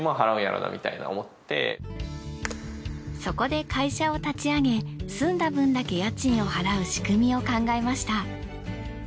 そこで会社を立ち上げ住んだ分だけ家賃を払う仕組みを考えました。